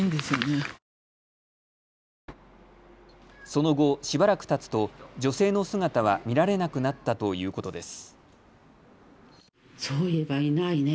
その後しばらくたつと女性の姿は見られなくなったということです。